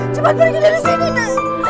cepat pergi dari sini